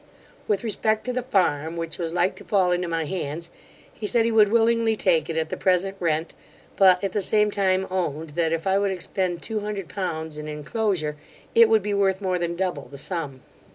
With respect to the farm, which was like to fall into my hands, he said he would willingly take it at the present rent; but at the same time owned, that if I would expend two hundred pounds in enclosure, it would be worth more than double the sum.